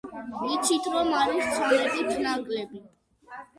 ვიცით, რომ არის ცამეტით ნაკლები.